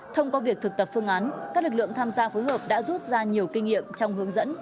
thông qua việc thực tập phương án các lực lượng tham gia phối hợp đã rút ra nhiều kinh nghiệm trong hướng dẫn